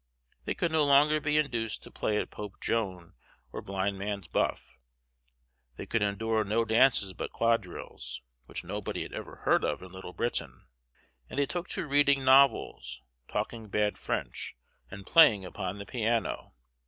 They could no longer be induced to play at Pope Joan or blindman's buff; they could endure no dances but quadrilles, which nobody had ever heard of in Little Britain; and they took to reading novels, talking bad French, and playing upon the piano.